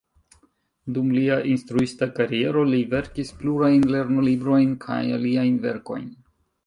Dum lia instruista kariero li verkis plurajn lernolibrojn kaj aliajn verkojn.